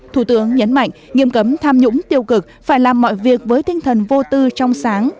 thủ tướng nhấn mạnh nghiêm cấm tham nhũng tiêu cực phải làm mọi việc với tinh thần vô tư trong sáng